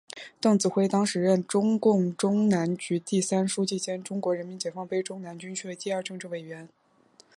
邓子恢当时任中共中南局第三书记兼中国人民解放军中南军区第二政治委员。